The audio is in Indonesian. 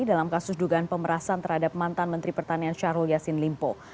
dalam kasus dugaan pemerasan terhadap mantan menteri pertanian syahrul yassin limpo